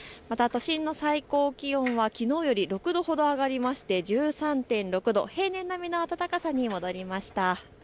都心の最高気温はきのうより６度ほど上がりまして１３．６度、平年並みの暖かさに戻りました。